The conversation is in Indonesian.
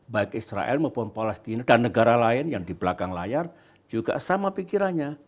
baik israel maupun palestina dan negara lain yang di belakang layar juga sama pikirannya